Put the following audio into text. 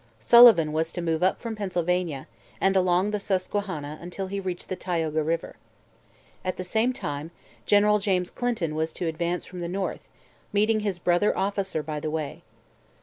Sullivan was to move up from Pennsylvania, and along the Susquehanna until he reached the Tioga river. At the same time, General James Clinton was to advance from the north, meeting his brother officer by the way.